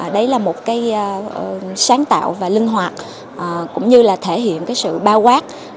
đấy là một cái sáng tạo và linh hoạt cũng như là thể hiện cái sự bao quát